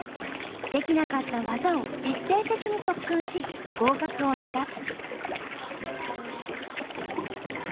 できなかった技を徹底的に特訓し合格を目指す。